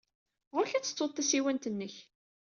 Ɣur-k ad tettud tasiwant-nnek.